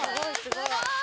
すごい！